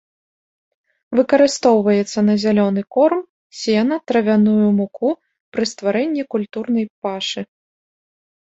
Выкарыстоўваецца на зялёны корм, сена, травяную муку, пры стварэнні культурнай пашы.